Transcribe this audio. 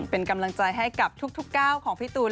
เป็นกำลังใจให้กับทุกก้าวของพี่ตูน